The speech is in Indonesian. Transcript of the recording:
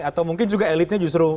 atau mungkin juga elitnya justru